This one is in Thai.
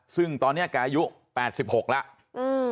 ซึ่งตอนนี้แกอายุ๘๖แล้ว